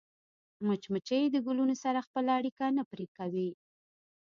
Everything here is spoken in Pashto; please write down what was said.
مچمچۍ د ګلونو سره خپله اړیکه نه پرې کوي